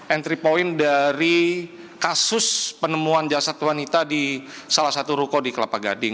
entry point dari kasus penemuan jasad wanita di salah satu ruko di kelapa gading